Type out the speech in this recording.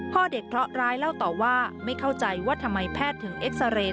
พ่อเด็กเคราะหร้ายเล่าต่อว่าไม่เข้าใจว่าทำไมแพทย์ถึงเอ็กซาเรย์